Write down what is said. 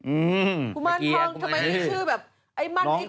อืมกุมารทองทำไมมีชื่อแบบไอ้มันไอ้โคงนะ